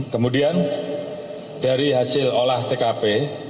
kemudian dari hasil olah tkp